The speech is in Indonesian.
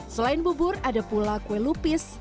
selain bubur ada pula kue lupis